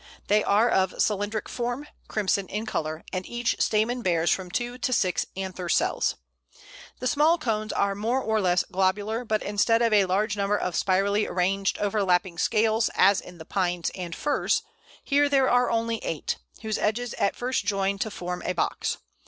They are of cylindric form, crimson in colour, and each stamen bears from two to six anther cells. The small "cones" are more or less globular, but instead of a large number of spirally arranged overlapping scales, as in the Pines and Firs, here there are only eight, whose edges at first join to form a box.